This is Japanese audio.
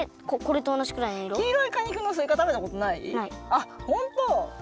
あっほんとう！？